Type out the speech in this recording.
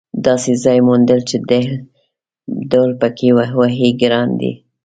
داسې ځای موندل چې ډهل پکې ووهې ګران دي.